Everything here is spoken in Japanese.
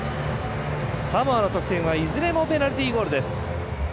サモアの得点は、いずれもペナルティゴールです。